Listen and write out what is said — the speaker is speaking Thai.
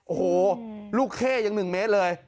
โอ้โหลูกเข้ยัง๑เมตรเลย